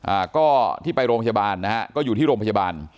อ่าก็ที่ไปโรงพยาบาลนะฮะก็อยู่ที่โรงพยาบาล